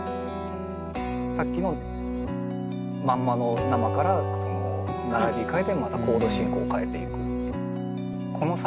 さっきのまんまの生から並び替えてまたコード進行を変えていく。